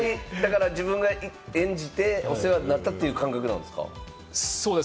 自分が演じてお世話になったという感覚なんですか？